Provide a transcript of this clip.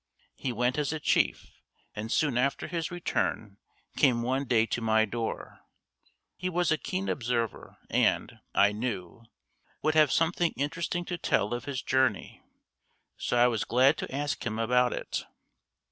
He went as a chief and soon after his return came one day to my door. He was a keen observer and, I knew, would have something interesting to tell of his journey, so I was glad to ask him about it.